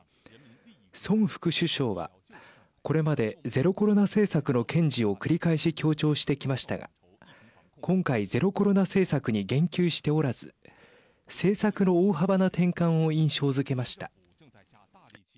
孫副首相はこれまでゼロコロナ政策の堅持を繰り返し強調してきましたが今回、ゼロコロナ政策に言及しておらず政策の大幅な転換を印象づけました。